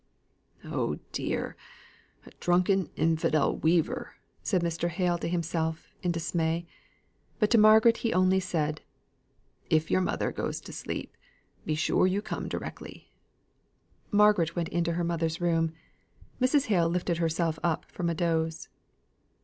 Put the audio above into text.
"Oh dear! a drunken infidel weaver!" said Mr. Hale to himself, in dismay. But to Margaret he only said, "If your mother goes to sleep, be sure you come directly." Margaret went into her mother's room. Mrs. Hale lifted herself up from a doze.